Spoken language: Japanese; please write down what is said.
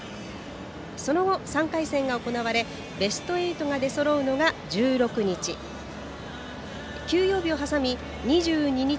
その後、３回戦が行われベスト８が出そろうのが１６日。